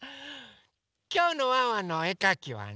きょうのワンワンのおえかきはね